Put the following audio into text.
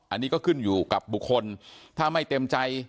อันนี้ก็ขึ้นอยู่กับบุคคลถ้าไม่เต็มใจ